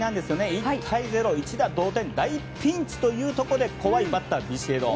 １対０、一打同点の大ピンチというところで怖いバッター、ビシエド。